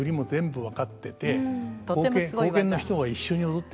多分分かってて。